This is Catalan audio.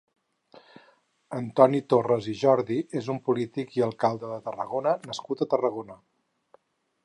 Antoni Torres i Jordi és un polític i alcalde de Tarragona nascut a Tarragona.